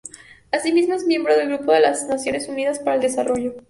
Asimismo es miembro del Grupo de las Naciones Unidas para el Desarrollo.